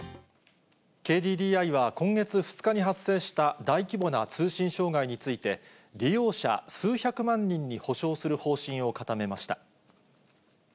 ＫＤＤＩは、今月２日に発生した大規模な通信障害について、利用者数百万人に補償する方針を固めました。